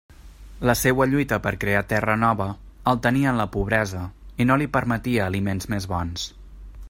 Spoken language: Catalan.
La seua lluita per crear terra nova el tenia en la pobresa, i no li permetia aliments més bons.